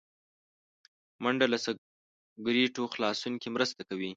منډه له سګرټو خلاصون کې مرسته کوي